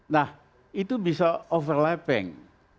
nah itu bisa overlapping